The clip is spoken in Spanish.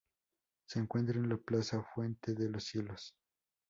Se encuentra en la plaza Fuente de los Cielos.